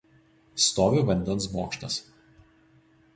Stovi vandens bokštas.